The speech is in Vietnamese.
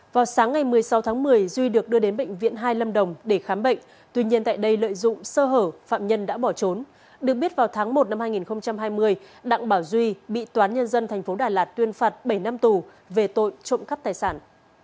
vào sáng ngày một mươi sáu tháng một mươi duy được đưa đến bệnh viện hai lâm đồng để khám bệnh tuy nhiên tại đây lợi dụng sơ hở phạm nhân đã bỏ trốn được biết vào tháng một năm hai nghìn hai mươi đặng bảo duy bị toán nhân dân tp đà lạt tuyên phạt bảy năm tù về tội trộm cắp tài sản